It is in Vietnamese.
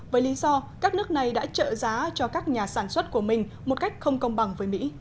với lý do các nước này đã trợ giá cho các nhà sản xuất của mình một cách không công bằng với mỹ